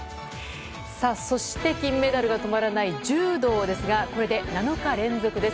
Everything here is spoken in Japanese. そして、金メダルが止まらない柔道ですがこれで７日連続です。